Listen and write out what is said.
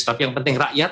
tapi yang penting rakyat